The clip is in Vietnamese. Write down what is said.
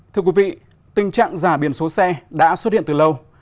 thưa quý vị tình trạng giả biển số xe đã xuất hiện từ lâu